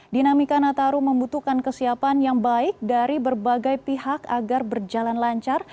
dinamika nataru membutuhkan kesiapan yang baik dari berbagai pihak agar berjalan lancar